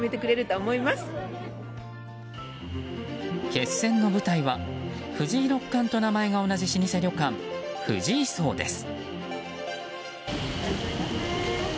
決戦の舞台は藤井六冠と名前が同じ老舗旅館、藤井荘です。